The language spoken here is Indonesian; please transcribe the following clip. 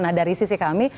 nah dari sisi kami